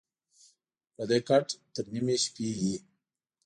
پردی کټ دَ نیمې شپې وي